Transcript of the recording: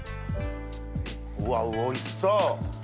うわおいしそう！